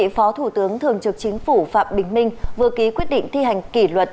phó thủ tướng thường trực chính phủ phạm bình minh vừa ký quyết định thi hành kỷ luật